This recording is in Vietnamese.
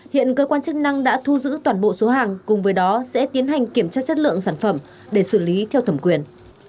hiện cơ quan chức năng đã thu giữ toàn bộ số hàng cùng với đó sẽ tiến hành kiểm tra chất lượng sản phẩm để xử lý theo thẩm quyền